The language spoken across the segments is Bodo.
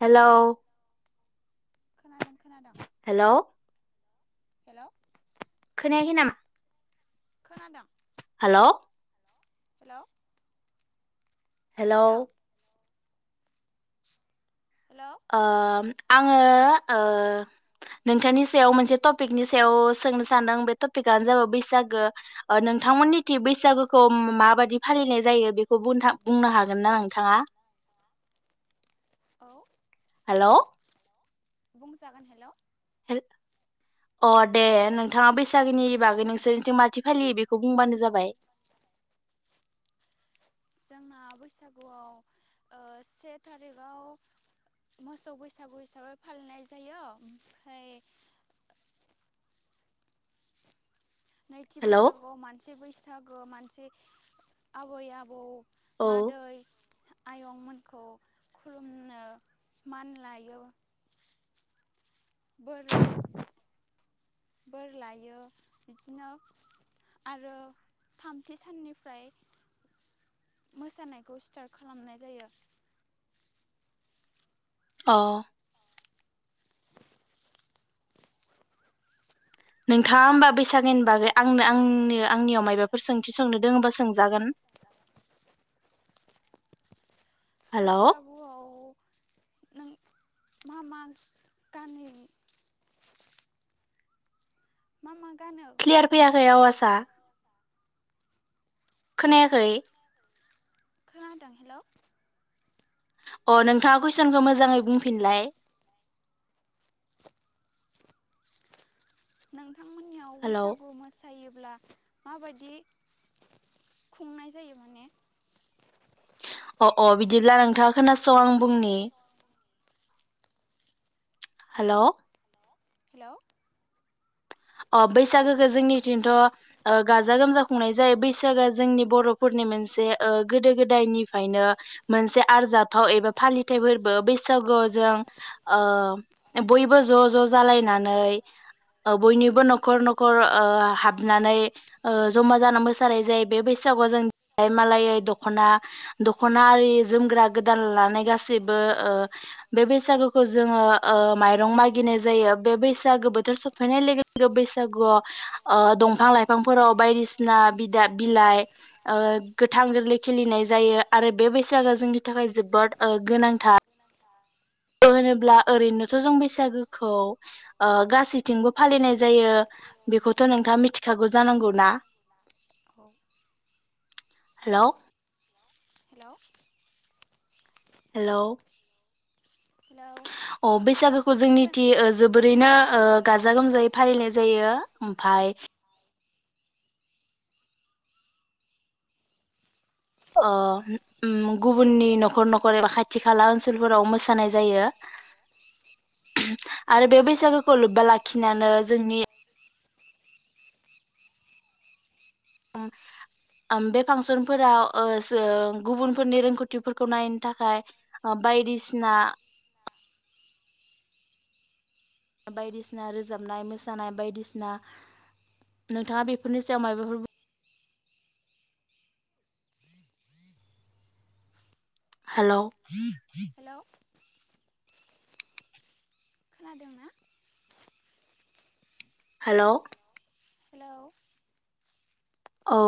हेलौ हेलौ हेलौ खोनायाखै ना खोनादों हेल' हेलौ खोनादों। हेल' आङो नोंथांनि सायाव मोनसे टपिकनि सायाव सोंनो सानदों बे टपिकआनो जाबाय बैसागो नोंथांमोननिथि बैसागोखौ माबादि फालिनाय जायो बेखौ बुंनो हागोन ना नोंथाङा? औ हेल' बुंजागोन हेलौ। अ दे नोंथाङा बैसागोनि बागै नोंसोरनिथिं। आंना बैसागुआव से थारिखाव मोसौ बैसागु हिसाबै फालिनाय जायो ओमफ्राय नैथि बैसागुआव मानसि बैसागो आबै आबौ मादै आयंमोनखौ खुलुमनो मान लायो। बोर बोर लायो बिदिनो आरो थामथि साननिफ्राय मोसानायखौ स्टार्ट खालामनाय जायो अ नोंथाङा होमबा बैसागोनि बागै आंनो आंनो आंनियाव मायबाफोर सोंथि सोंनो दोङोबा सोंजागोन बैसागुआव नों मा मा गामि मा मा क्लियार फैयाखै आवासा। खोनायाखै? खोनादों हेल' अ नोंथाङा कुइसनखौ मोजाङै बुंफिनलाय नोंथां नोंथांमोननियाव बैसागु मोसा थायोब्ला माबायदि खुंनाय जायो माने। अ अ बिदिब्ला नोंथाङा खोनासं आं बुंनि। हेल' हेल' अ बैसागोखौ जोंनिथिंथ' गाजा गोमजा खुंनाय जायो बैसागोआ जोंनि बर'फोरनि मोनसे गोदो गोदायनिफ्रायनो मोनसे आरजाथाव एबा फालिथायाइ फोरबो बैसागोजों बयबो ज' ज' जालायनानै। बयनिबो न'खर न'खर हाबनानै जमा जाना मोसानाय जायो बे बैसागुआ जों देलाय मालायै दख'ना दख'ना आरि जोमग्रा गोदान लानाय गासैबो बे बैसागुखौ जोङो माइरं मागिनाय जायो बे बैसागो बोथोर सफै फैनाय लोगो लोगो बैसागुआव दंफां लाइफांफोराव बायदिसिना बिदा बिलाइ गोथां गोरलै खिलिनाय जायो आरो बे बैसागोआ जोंनि थाखाय जोबोद गोनांथार। होनोब्ला ओरैनोथ' जों बैसागोखौ गासैथिंबो फालिनाय जायो बेखौथ' नोंथाङा मिथिखागौ जानांगौ ना? औ हेल' हेल' हेल' अ बैसागोखौ जोंनिथि जोबोरैनो गाजा गोमजायै फालिनाय जायो ओमफाय गुबुननि न'खर न'खर एबा खाथि खाला ओनसोलफोराव मोसानाय जायो आरो बे बैसागोखौ लोब्बा लाखिनानै जोंनि बे फांसनफोराव गुबुनफोरनि रोंगौथिफोरखौ नायनो थाखाय बायदिसिना बायदिसिना रोजाबनाय मोसानाय बायदिसिना नोंथाङा बेफोरनि सायाव माबाफोर ब हेलौ हेलौ खोनादों ना? हेलौ हेलौ औ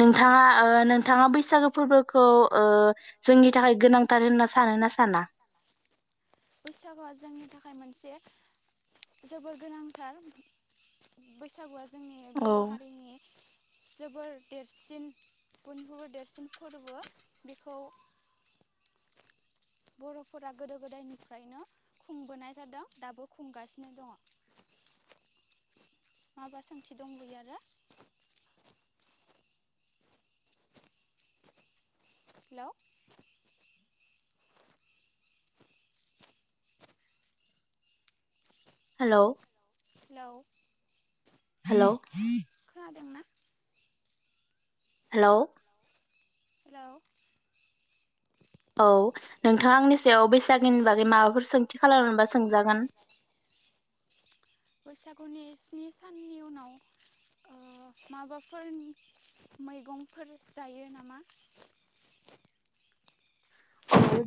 नोंथाङा ओ नों नोंथाङा बैसागो फोरबोखौ ओ जोंनि थाखाय गोनांथार होनना सानो ना साना? बैसागुआ जोंनि थाखाय मोनसे जोबोर गोनांथार बैसागुआ जोंनि बर' हारिनि जोबोर देरसिन बयनिख्रुयबो देरसिन फोरबो बेखौ बर'फोरा गोदो गोदायनिफ्रायनो खुंबोनाय जादों दाबो खुंगासिनो दङ माबा सोंथि दंबोयो आरो हेलौ हेलौ हेलौ हेलौ खोनादोंना? हेलौ औ नोंथाङा आंनि सायाव बैसागोनि बागै माबाफोर सोंथि खालामबा सोंजागोन बैसागुनि स्नि साननि उनाव ओ माबाफोर मैगंफोर जायो नामा?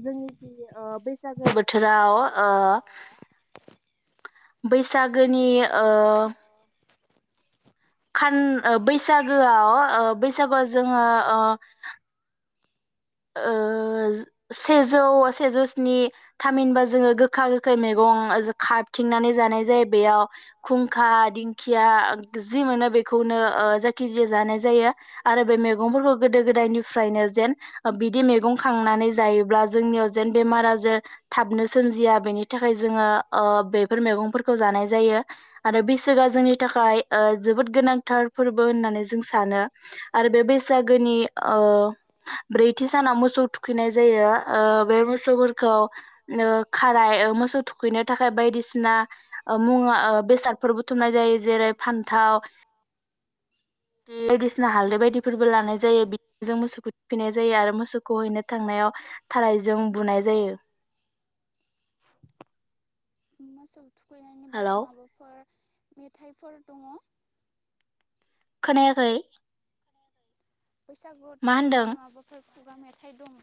जोंनिखि ओ बैसागो बोथोराव ओ बैसागोनि ओ खान ओ बैसागोआव ओ बैसागोआव जोङो ओ ओ सेजौ सेजौ स्नि थामहिनबा जोङो गोखा गोखै मैगं खारथिंनानै जानाय जायो बेयाव खुंखा दिंखिया जि मोनो बेखौनो ओ जायखिजाया जानाय जायो आरो बे मैगंफोरखौ गोदो गोदायनिफ्रायनो जेन। बिदि मैगं खांनानै जायोब्ला जोंनियाव जेन बेमारा जेन थाबनो सोमजिया बेनि थाखाय जोङो ओ बेफोर मैगंफोरखौ जानाय जायो आरो बि बैसागोआ जोंनि थाखाय जोबोद गोनांथार फोरबो होननानै जों सानो आरो बे बैसागोनि ओ नैथि सानाव मोसौ थुखैनाय जायो ओ बे मोसौफोरखौ ओ खाराय मोसौ थुखैनो थाखाय बायदिसिना मुवा बेसादफोर बुथुमनाय जायो। जेरै फान्थाव बायदिसिना हालदै बायदिफोरबो लानाय जायो बिजों मोसौखौ थुखैनाय जायो आरो मोसौखौ हैनो थांनायाव थारायजों बुनाय जायो। मोसौ थुखैनायनि बागै माबाफोर मेथाइफोर दङ खोनायाखै बैसागुआव थुखैनाय माबाफोर खुगा मेथाइ दं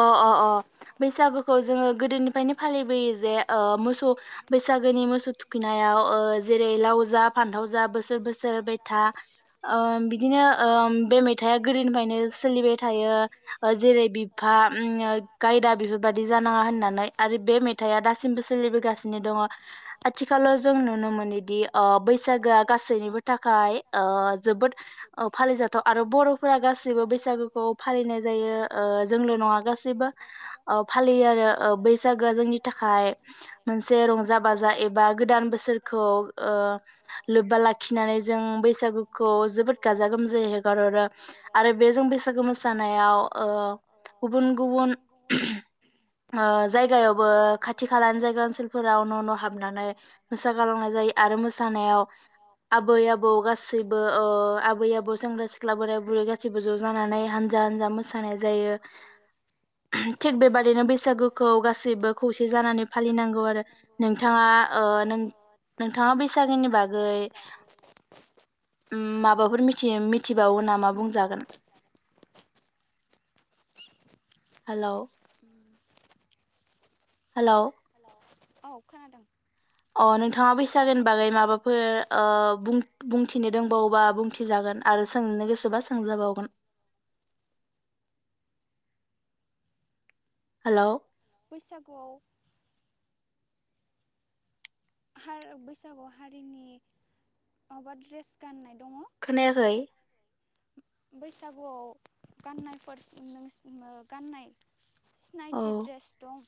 अ अ अ बैसागोखौ जोङो गोदोनिफ्रायनो फालिबोयो जे ओ मोसौ बैसागोनि मोसौ थुखैनायाव जेरै लाव जा फान्थाव जा बोसोर बोसोर एरबाय थाओ बिदिनो बे ओ मेथाइआ गोदोनिफ्रायनो सोलिबाय थायो जेरै बि ओ ओम गायदा बेफोरबायाददि जानाङा होननानै आरो बे मेथाइआ दासिमबो सोलिबोगासिनो दङ आथिखालाव जों नुनो मोनोदि ओ बैसागोआ गासैनिबो थाखा ओ जोबोद फालिजाथाव आरो बर'फोरा गासैबो बैसागोखौ फालिनाय जायो ओ। ल' नङा गासैबो ओ फालियो आरो ओ बैसागोआ जोंनि थाखाय मोनसे रंजा बाजा एबा गोदान बोसोरखौ ओ लोब्बा लाखिनानै जों बैसागुखौ जोबोद गाजा गोमजायै हेगारहरो आरो बे जों बैसागु मोसानायाव ओ गुबुन गुबुन जायगायावबो खाथि खालानि जायगा ओनसोलफोराव न' न' हाबनानै मोसा गालांनाय जायो आरो मोसा आबै आबौ गासैबो ओ आबै आबौ सेंग्रा सिख्ला बोराय बुरै गासैबो ज' जानानै हानजा हानजा मोसानाय जायो थिग बेबादिनो बैसागुखौ गासैबो खौसे जानानै फालिनांगौ आरो नोंथाङा ओ नों नोंथाङा बि बैसागिनि बागै उम माबाफोर मिथ - मिथिबावो नामा बुंजागोन हालौ औ खोनादों अ नोंथाङा बैसागोन बागै माबाफोर ओ बुं-बुंथिनो दंबावोबा बुंथिजागोन आरो सोंनो गोसोबा सोंजाबावगोन हेलौ बैसागुआव हार बैसागुआव हारिनि माबा ड्रेस गाननाय दङ खोनायाखै बैसागुआव गाननायफोस नोस गाननाय सिनायथि ड्रेस दं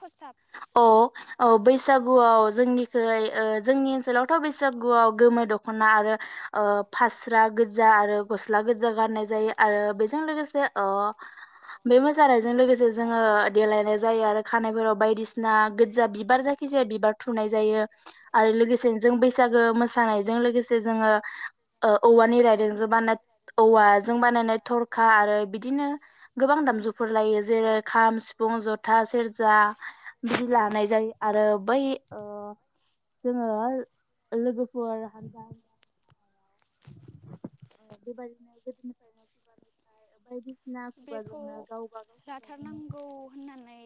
खसाब अ औ बैसागुआव जोंनिखै ओ जोंनि ओनसोलावथ' बैसागुआव गोमो दख'ना आरो ओ फास्रा गोजा आरो गस्ला गोजा गाननाय जायो आरो बेजों लोगोसे अ बे मोसारायज जों लोगोसे जोङो देलायनाय जायो आरो खानायफोराव बायदिस ना गोजजा बिबार जायखिजाया बिबार थुनाय जायो आरो लोगोसेनो जों बैसागो मोसानायजों लोगोसे जोङो ओ औवानि रायदोंजों बानाय औवाजों बानायनाय थरखा आरो बिदिनो गोबां दामजुफोर लायो जेरै- खाम, सिफुं, जथा, सेरजा, बि लानाय जायो आरो बै ओ जोङो लोगोफोर हानजा हान्जा बेबायदिनो गोदोनिफ्रायनो [unintelligible] बेखौ लाथारनांगौ होननानै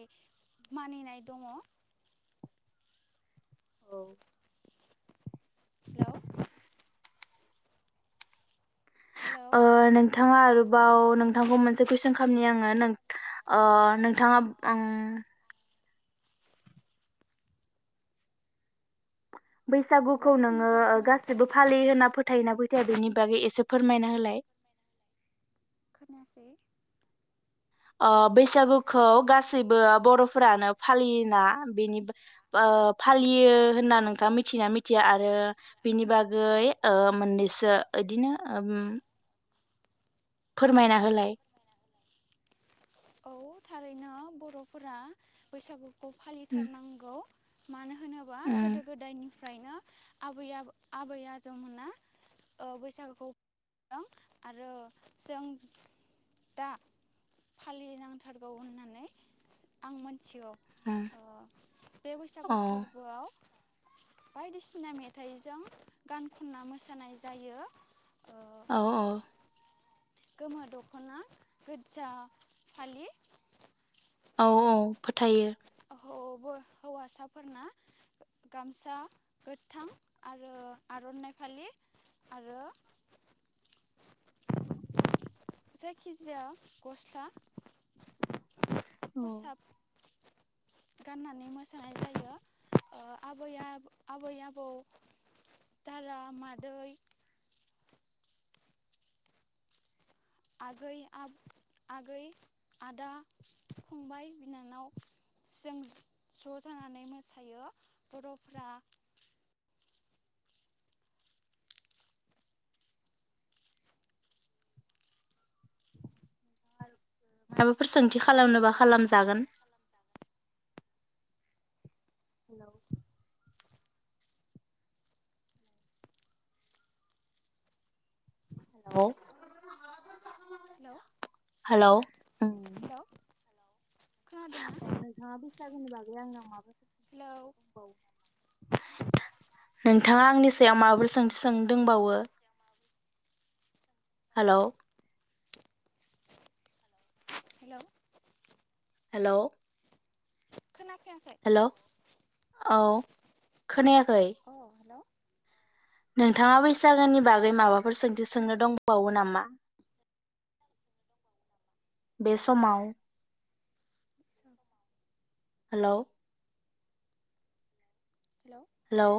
मानिनाय दङ औ हेलौ ओ नोंथाङा आरोबाव नोंथांखौ मोनसे कुइसन खामनि आङो नों अ नोंथाङा आं बैसागुखौ नोङो ओ गासिबो फालियो होनना फो फोथायोना फैथायाया बेनि बागै एसे फोरमायना होलाय। खोनासै ओ बैसागुखौ गासैबो बर'फोरानो फालियोना बेनि ओ फालियो होनना नोंथाङा मिथिना मिथिया आरो बिनि बागै ओ मोननैसो बिदिनो ओम फोरमायना होलाय औ थारैनो बर'फोरा बैसागु खौ फालिथारनांगौ मानो होनोबा गोदो गोदायनिफ्रायनो आबै आबो आबै आजौमोना बैसागुखौ फालिबोदों आरो जों दा फालिनांथारगौ होननानै आं मोन थियो बे बैसागु फोरबोआव बायदिसिना मेथाइजों गान खनना मोसानाय जायो औ औ गोमो दख'ना गोज्जा फालि औ औ फोथायो हौवासाफोरना गामसा गोथां आरो आर'नाइ फालि आरो जायखिजाया गस्ला खसाब गाननानै मोसानाय जायो आबैया आबै आबौ दारा मादै आगै आ आगै आदा फंबाय बिनानाव जों ज' जानानै मोसायो बर'फ्रा। माबाफोर सोंथि खालामनोबा खालामजागोन हेल' औ हेल' हेलौ हेलौ खोनादोंना बैसागुनि‌ बागै आंनाव माबा अ नों नोंथाङा आंनि सायाव माबाफोर सोंथि सोंनो दोंंबावो हेलौ हेलौ हेल' औ खोनायाखै। नोंथाङा बैसागोनि बागै माबाफोर सोंथि सोंनो दंबावो नामा बे समाव हेलौ हेलौ हेलौ